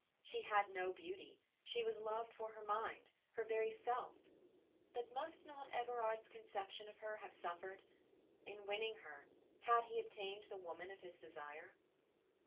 She had no beauty; she was loved for her mind, her very self. But must not Everard's conception of her have suffered? In winning her had he obtained the woman of his desire?